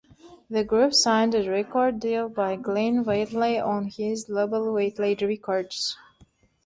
The group signed a record deal by Glenn Wheatley on his labelWheatley Records.